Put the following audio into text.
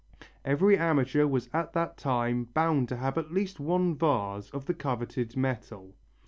Every amateur was at that time bound to have at least one vase of the coveted metal.